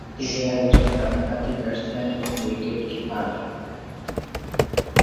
তিনি একজন ডানহাতি ব্যাটসম্যান এবং উইকেট কিপার।